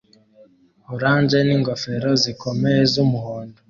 orange n'ingofero zikomeye z'umuhondo